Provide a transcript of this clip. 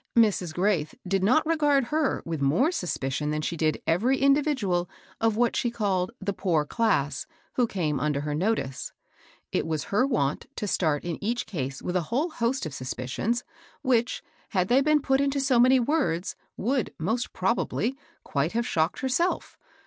Mrs. Graith did not regard her with more suspicion than she did every individual of what sba ^iaJisA. '^'^"^^ 858 MABEL ROSS. poor class," who came under her notice. It was her wont to start in each case with a whole host of suspicions, which, had they been put into so many words, would, most probably, quite have shocked herself.